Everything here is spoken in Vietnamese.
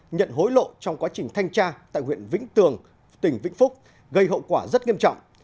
nhận hối lộ trong quá trình thanh tra tại huyện vĩnh tường tỉnh vĩnh phúc gây hậu quả rất nghiêm trọng